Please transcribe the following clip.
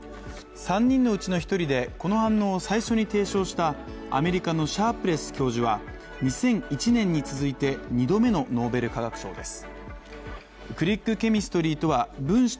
３人のうちの１人でこの反応を最初に提唱したアメリカのシャープレス教授は２００１年に続いて２度目のノーベル化学賞です。